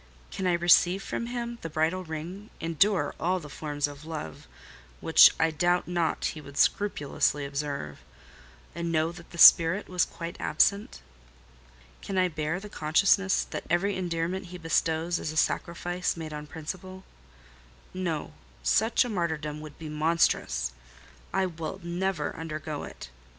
Can I receive from him the bridal ring, endure all the forms of love (which I doubt not he would scrupulously observe) and know that the spirit was quite absent? Can I bear the consciousness that every endearment he bestows is a sacrifice made on principle? No: such a martyrdom would be monstrous. I will never undergo it.